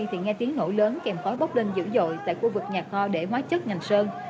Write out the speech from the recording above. thì nghe tiếng nổ lớn kèm khói bốc lên dữ dội tại khu vực nhà kho để hóa chất ngành sơn